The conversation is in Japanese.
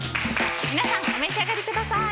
お召し上がりください。